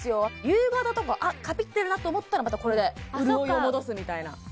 夕方とかあっカピってるなと思ったらまたこれで潤いを戻すみたいなあっ